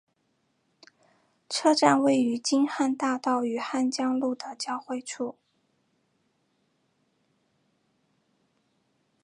车站位于京汉大道与江汉路的交汇处。